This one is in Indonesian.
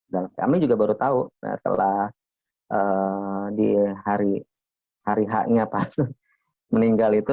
dan kami juga baru tahu setelah di hari h nya pas meninggal itu